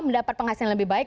mendapat penghasilan lebih baik